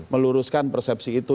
kita meluruskan persepsi itu